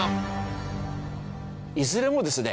いずれもですね